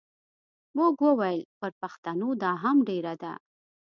موږ وویل پر پښتنو دا هم ډېره ده.